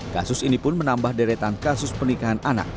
kasus ini pun menambah deretan kasus pernikahan anak